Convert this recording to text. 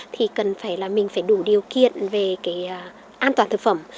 thì cần phải là mình phải đủ điều kiện về cái an toàn thực phẩm